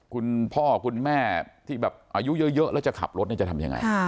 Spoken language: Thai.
คุณพ่อคุณแม่ที่แบบอายุเยอะแล้วจะขับรถจะทำยังไง